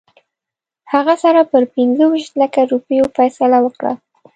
هغه سره پر پنځه ویشت لکه روپیو فیصله وکړه.